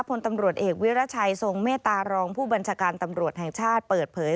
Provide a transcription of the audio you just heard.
พลตำรวจเอกวิรัชัยทรงเมตตารองผู้บัญชาการตำรวจแห่งชาติเปิดเผย